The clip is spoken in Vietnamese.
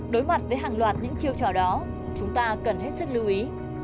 đối mặt với hàng loạt những chiêu trò đó chúng ta cần hết sức lưu ý